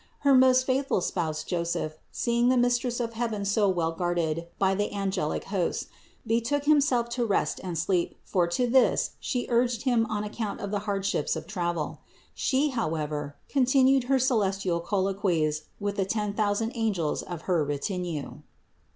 Her most faithful spouse Joseph, seeing the THE INCARNATION 385 Mistress of heaven so well guarded by the angelic hosts, betook himself to rest and sleep; for to this She urged him on account of the hardships of travel. She, how ever, continued her celestial colloquies with the ten thousand angels of her retinue.